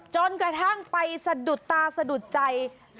จนกระทั่งไปสะดุดตาสะดุดใจ